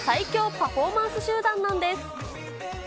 パフォーマンス集団なんです。